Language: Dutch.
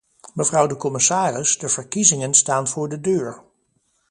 Mevrouw de commissaris, de verkiezingen staan voor de deur.